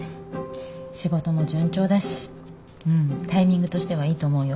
仕事も順調だしうんタイミングとしてはいいと思うよ。